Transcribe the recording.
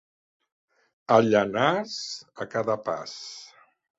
A Llanars, a cada pas.